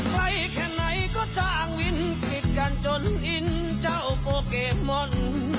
ใครแค่ไหนก็จ้างวินพลิกกันจนอินเจ้าโปเกมน์